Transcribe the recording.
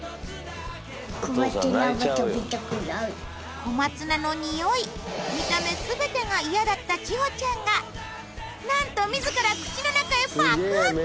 小松菜の匂い見た目全てが嫌だった千穂ちゃんがなんと自ら口の中へパクッ！